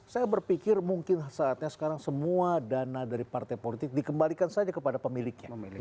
saya berpikir mungkin saatnya sekarang semua dana dari partai politik dikembalikan saja kepada pemiliknya